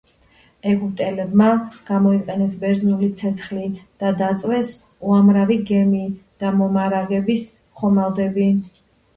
ეგვიპტელებმა გამოიყენეს ბერძნული ცეცხლი და დაწვეს უამრავი გემი და მომარაგების ხომალდები.